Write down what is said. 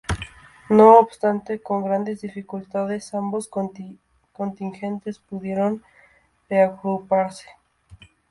No obstante, con grandes dificultades ambos contingentes pudieron reagruparse.